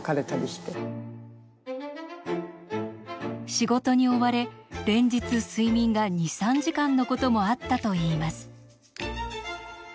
仕事に追われ連日睡眠が２３時間のこともあったといいます。